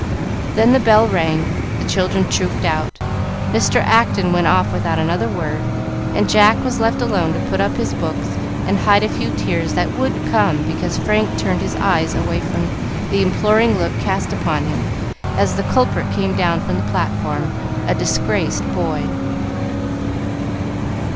Then the bell rang, the children trooped out, Mr. Acton went off without another word, and Jack was left alone to put up his books and hide a few tears that would come because Frank turned his eyes away from the imploring look cast upon him as the culprit came down from the platform, a disgraced boy.